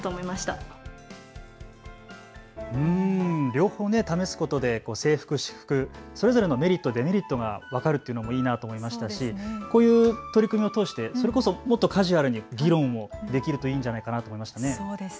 両方試すことで制服、私服、それぞれのメリット、デメリットが分かるというのもいいなと思いましたし、こういう取り組みを通してもっとカジュアルに議論できるといいんじゃないかと思います。